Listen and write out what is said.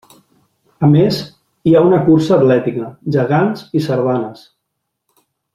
A més, hi ha una cursa atlètica, gegants i sardanes.